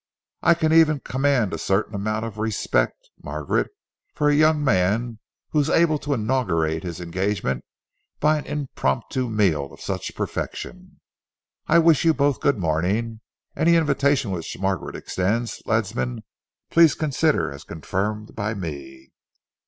I can even command a certain amount of respect, Margaret, for a young man who is able to inaugurate his engagement by an impromptu meal of such perfection. I wish you both good morning. Any invitation which Margaret extends, Ledsam, please consider as confirmed by me."